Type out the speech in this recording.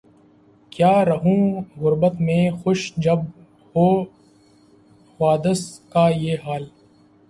کیا رہوں غربت میں خوش جب ہو حوادث کا یہ حال